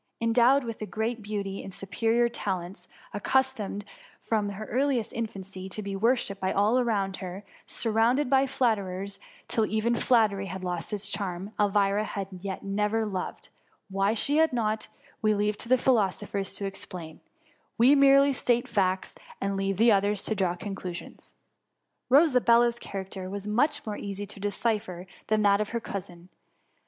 Endowed with great beauty and superior talents ; accustomed from her earliest infancy to be worshipped by all around her ; surrounded by flatterers, till even flattery had lost its charm, Elvira had yet never loved ; why she had not, we leave to philoso phers to explain ; we merely state facts and leave others to draw conclusions. Rosabella^s character was much more easy to decipher than that of her cousin.